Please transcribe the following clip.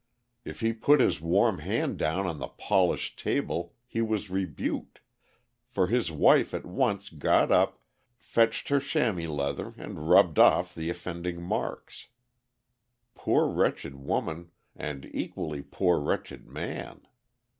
If he put his warm hand down on the polished table he was rebuked, for his wife at once got up, fetched her chamois leather and rubbed off the offending marks. Poor, wretched woman, and equally poor, wretched man!